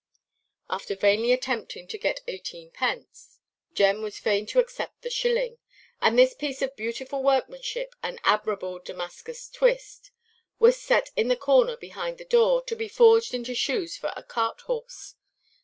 After vainly attempting to get eightee–pence, Jem was fain to accept the shilling; and this piece of beautiful workmanship, and admirable "Damascus twist," was set in the corner behind the door, to be forged into shoes for a cart–horse.